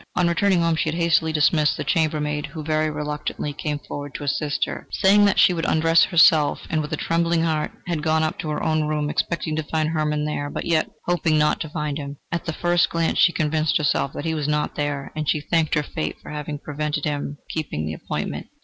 On returning home, she had hastily dismissed the chambermaid who very reluctantly came forward to assist her, saying that she would undress herself, and with a trembling heart had gone up to her own room, expecting to find Hermann there, but yet hoping not to find him. At the first glance she convinced herself that he was not there, and she thanked her fate for having prevented him keeping the appointment.